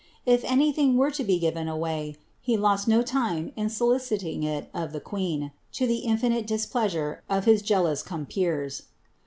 If anything were to ray, he lost no time in soliciting it of the queen, to the infi lure of his jealous compeers.